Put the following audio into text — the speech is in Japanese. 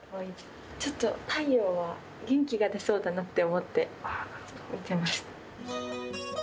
ちょっと太陽は元気が出そうだなと思って、選びました。